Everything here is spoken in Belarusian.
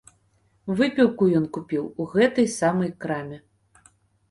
Выпіўку ён купіў у гэтай самай краме.